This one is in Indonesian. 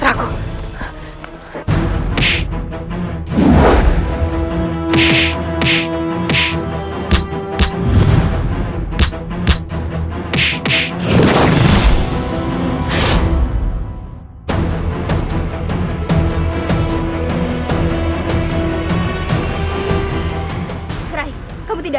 aku baik baik saja